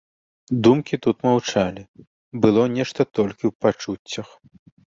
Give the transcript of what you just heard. Думкі тут маўчалі, было нешта толькі ў пачуццях.